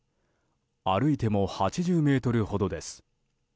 歩いても８０ｍほどです。